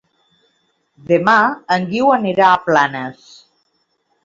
Demà en Guiu anirà a Planes.